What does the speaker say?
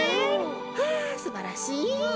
はあすばらしい。